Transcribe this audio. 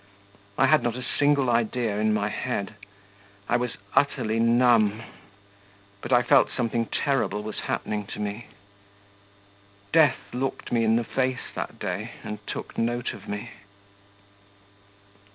I had not a single idea in my head; I was utterly numb, but I felt something terrible was happening to me.... Death looked me in the face that day and took note of me.